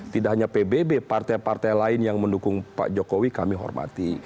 tidak hanya pbb partai partai lain yang mendukung pak jokowi kami hormati